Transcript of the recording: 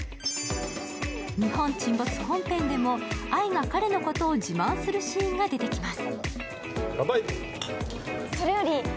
「日本沈没」本編でも愛が彼のことを自慢するシーンが出てきます。